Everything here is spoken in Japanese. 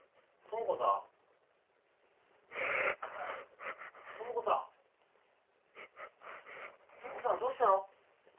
知子さんどうしたの？